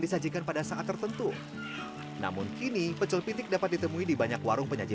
disajikan pada saat tertentu namun kini pecel pitik dapat ditemui di banyak warung penyaji